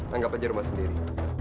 anggap aja rumah sendiri